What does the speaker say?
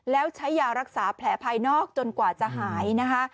แล้วใช้ยารักษาแผลภายนอกจนกว่าจะหายนะคะ